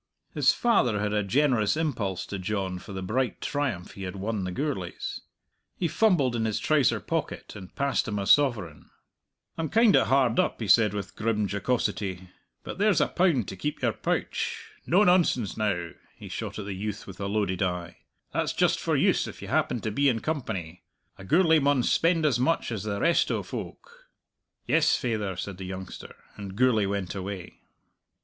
His father had a generous impulse to John for the bright triumph he had won the Gourlays. He fumbled in his trouser pocket, and passed him a sovereign. "I'm kind o' hard up," he said, with grim jocosity, "but there's a pound to keep your pouch. No nonsense now!" he shot at the youth with a loaded eye. "That's just for use if you happen to be in company. A Gourlay maun spend as much as the rest o' folk." "Yes, faither," said the youngster, and Gourlay went away.